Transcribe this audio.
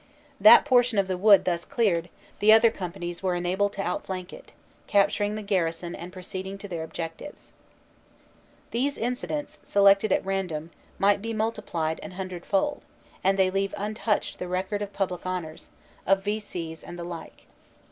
That por tion of the wood thus cleared, the other companies were enabled to outflank it, capturing the garrison and proceeding to their objectives. These incidents, selected at random, might be multiplied an hundredfold, and they leave untouched the record of public honors, of V.C. s and the like.